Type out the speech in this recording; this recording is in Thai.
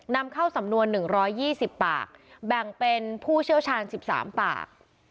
นำเข้าสำนวน๑๒๐ปากแบ่งเป็นผู้เชี่ยวชาญ๑๓ปาก